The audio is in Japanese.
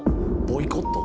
ボイコット？